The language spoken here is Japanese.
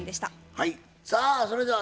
はい。